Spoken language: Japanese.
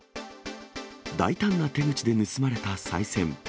大胆な手口で盗まれたさい銭。